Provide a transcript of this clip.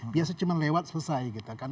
biasa cuma lewat selesai gitu kan